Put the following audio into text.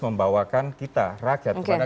membawakan kita rakyat kepada